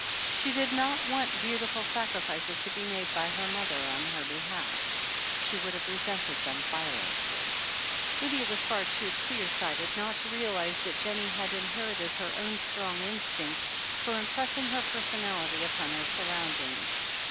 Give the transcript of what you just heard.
She did not want beautiful sacrifices to be made by her mother on her behalf. She would have resented them violently, Lydia was far too clear sighted not to realize that Jennie had inherited her own strong instinct for im pressing her personality upon her surroimdings.